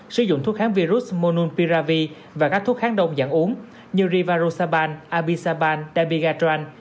sử dụng thuốc kháng virus monopiravir và các thuốc kháng động dạng uống như rivarusaban abisaban dabigatran